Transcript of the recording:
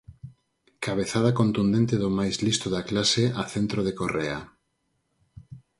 Cabezada contundente do máis listo da clase a centro de Correa.